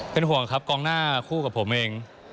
เป็นห่วงครับกองหน้าคู่กับผมเอง